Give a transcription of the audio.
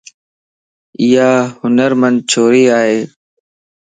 ايا ھنر مند ڇوري ائي.